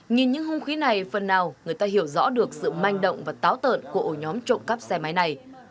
nhìn những hung khí này phần nào người ta hiểu rõ được sự manh động và táo tợn của ổ nhóm trộm cắp xe máy này